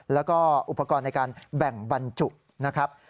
แล้วก็อุปกรณ์ในการแบ่งบรรจุนะครับ